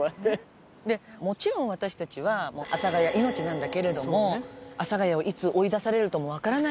もちろん私たちは阿佐ヶ谷命なんだけれども阿佐ヶ谷をいつ追い出されるともわからないじゃない。